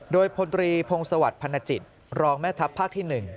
โดยพลตรีพงศวรรคพันจิตรองแม่ทัพภาคที่๑